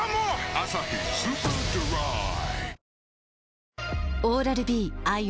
「アサヒスーパードライ」